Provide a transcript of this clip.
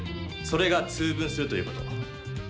それが「通分」するということ。